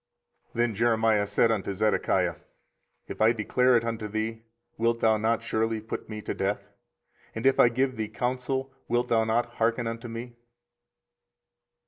24:038:015 Then Jeremiah said unto Zedekiah, If I declare it unto thee, wilt thou not surely put me to death? and if I give thee counsel, wilt thou not hearken unto me?